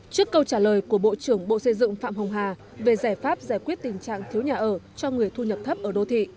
trước câu trả lời của bộ trưởng bộ xây dựng phạm hồng hà về giải pháp giải quyết tình trạng thiếu nhà ở cho người thu nhập thấp ở đô thị